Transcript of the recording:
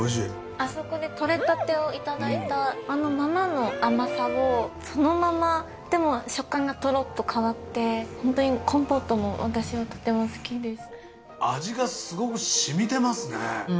あそこで取れたてを頂いたあのままの甘さをそのままでも食感がトロッと変わってホントにコンポートも私はとても好きです。